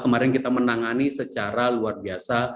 kemarin kita menangani secara luar biasa